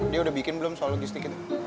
dia udah bikin belum soal logistik itu